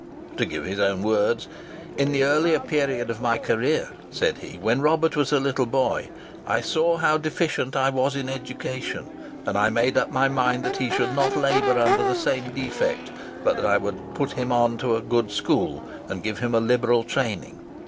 To give his own words:—"In the earlier period of my career," said he, "when Robert was a little boy, I saw how deficient I was in education, and I made up my mind that he should not labour under the same defect, but that I would put him to a good school, and give him a liberal training.